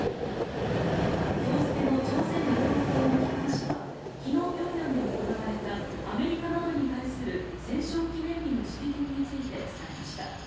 今日付けの朝鮮労働党の機関紙は昨日、平壌で行われたアメリカなどに対する戦勝記念日の式典について伝えました。